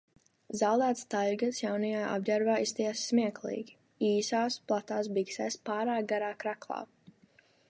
Zaldāts Taļgats jaunajā apģērbā izskatījās smieklīgi: īsās, platās biksēs, pārāk garā kreklā.